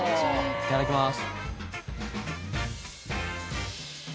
いただきます。